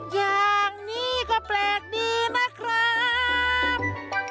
อย่างนี้ก็แปลกดีนะครับ